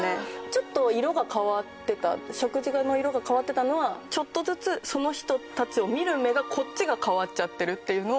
ちょっと色が変わってた食事の色が変わってたのはちょっとずつその人たちを見る目がこっちが変わっちゃってるっていうのを。